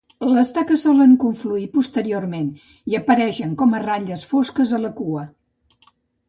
Les taques solen confluir posteriorment i apareixen com a ratlles fosques a la cua.